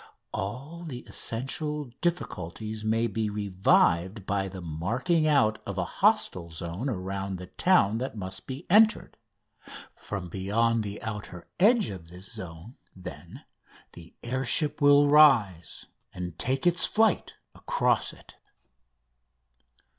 All the essential difficulties may be revived by the marking out of a hostile zone around the town that must be entered; from beyond the outer edge of this zone, then, the air ship will rise and take its flight across it.